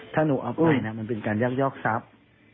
ถ้าหนูเอาปืนมันเป็นการยักยอกทรัพย์